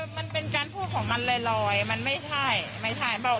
ใส่มันแบบเนี่ยเลี้ยงตลอด